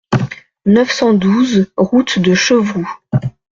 neuf cent douze route de Chevroux